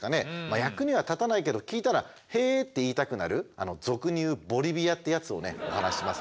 役には立たないけど聞いたら「へえ」って言いたくなる俗に言うボリビアってやつをねお話ししますね。